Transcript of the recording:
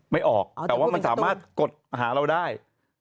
ไม่ออกแต่ว่ามันสามารถกดหาเราได้